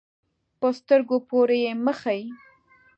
په سترګو پورې یې مښي.